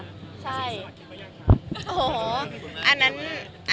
สิทธิสวัสดิ์คิดไปยังคะ